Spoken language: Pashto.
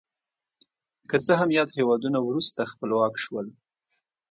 که څه هم یاد هېوادونه وروسته خپلواک شول.